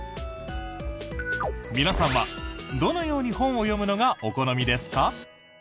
皆さんはどのように本を読むのがお好みですか？